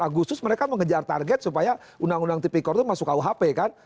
agusus mereka mengejar target supaya undang undang tipik korupsi itu masuk ke kuhp kan